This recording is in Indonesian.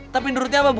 tapi nurutnya apa bu